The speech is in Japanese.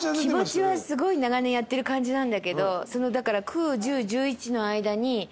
気持ちはすごい長年やってる感じなんだけどそのだから。